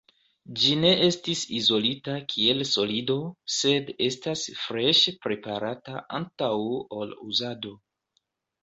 Ĝi ne estis izolita kiel solido, sed estas freŝe preparata antaŭ ol uzado.